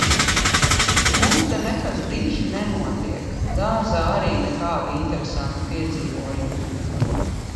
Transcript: Mums te nekas diži nenotiek. Dārzā arī nekādi interesanti piedzīvojumi.